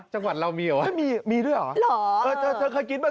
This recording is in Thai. จังหวัดเรามีหรอไม่มีมีด้วยหรอหรอเออเธอเคยกินไหม